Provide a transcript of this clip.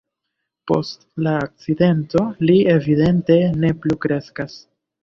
Post la akcidento li evidente ne plu kreskas.